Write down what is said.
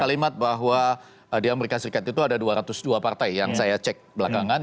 kalimat bahwa di amerika serikat itu ada dua ratus dua partai yang saya cek belakangan